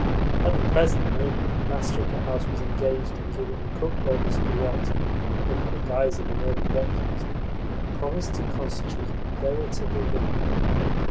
At the present moment the master of the house was engaged in giving the cook orders for what, under the guise of an early breakfast, promised to constitute a veritable dinner.